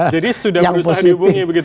jadi sudah berusaha dihubungi begitu